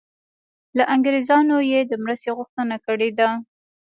له انګریزانو یې د مرستې غوښتنه کړې ده.